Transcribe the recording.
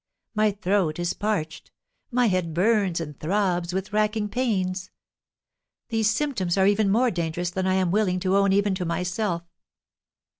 My throat is parched, my head burns and throbs with racking pains. These symptoms are even more dangerous than I am willing to own even to myself.